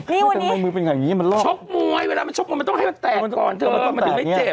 นี่วันนี้ชกมวยเวลามันชกมวยมันต้องให้มันแตกก่อนเถอะมันถึงไม่เจ็บ